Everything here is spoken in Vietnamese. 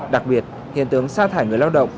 đặc biệt hiện tướng sa thải người lao động